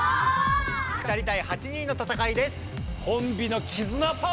２人たい８人の戦いです。